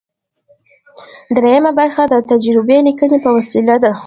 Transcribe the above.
دریمه برخه د تجربوي لیکنې په وسیله ده.